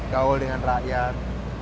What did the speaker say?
gaul dengan rakyat